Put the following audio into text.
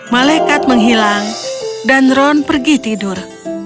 malaikat menghilang dan ron pergi tidur